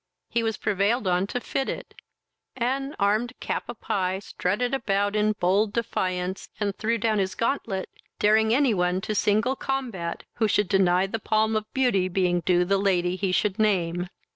He was prevailed on to fit it; and, armed cap a pie, strutted about in bold defiance, and threw down his gauntlet, daring any one to single combat who should deny the palm of beauty being due to the lady he should name.